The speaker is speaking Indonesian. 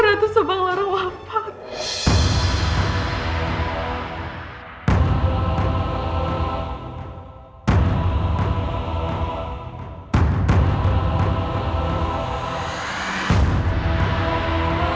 ratu sepak laruah patah